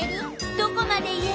どこまで言える？